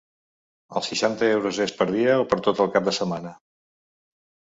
Els seixanta euros es per dia o per tot el cap de setmana?